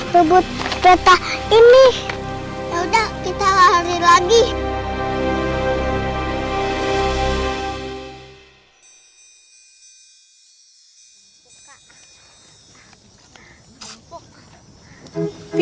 rebut peta ini